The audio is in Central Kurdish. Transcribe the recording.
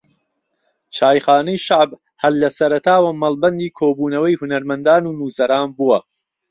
چایخانەی شەعب ھەر لە سەرەتاوە مەڵبەندی کۆبونەوەی ھونەرمەندان و نووسەران بووە